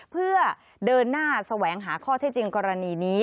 เพื่อเดินหน้าแสวงหาข้อเท็จจริงกรณีนี้